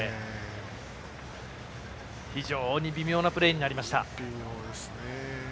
非常に微妙なプレーになりました。